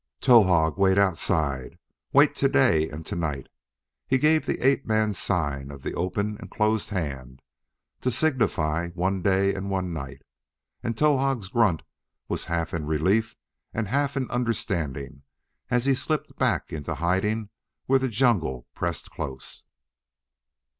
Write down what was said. "Towahg wait outside; wait today and to night!" He gave the ape man's sign of the open and closed hand to signify one day and one night, and Towahg's grunt was half in relief and half in understanding as he slipped back into hiding where the jungle pressed close.